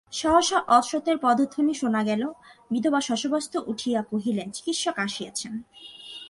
সহসা অশ্বের পদধ্বনি শুনা গেল, বিধবা শশব্যস্তে উঠিয়া কহিলেন চিকিৎসক আসিয়াছেন।